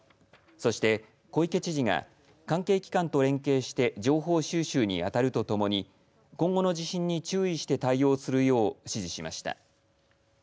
そして、小池知事が関係機関と連携して情報収集にあたるとともに今後の地震に注意して対応するよう指示しました。